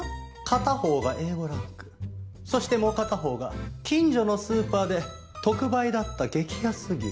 片方がＡ５ランクそしてもう片方が近所のスーパーで特売だった激安牛。